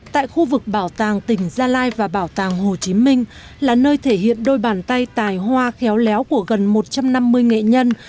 tại khu vực bảo tàng tỉnh gia lai và bảo tàng hồ chí minh là nơi thể hiện đôi bàn tay tài hoa khéo léo của gần một trăm năm mươi nghệ nhân